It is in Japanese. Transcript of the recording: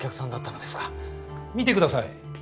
見てください。